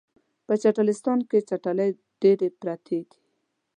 په چټلستان کې چټلۍ ډیرې پراتې دي